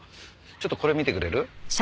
ちょっとこれ見てくれる？